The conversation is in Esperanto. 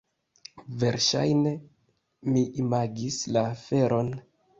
Verŝajne mi imagis la aferon!